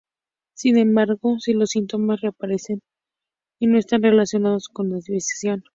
Sin embargo, si los síntomas reaparecen y no están relacionados con la desviación.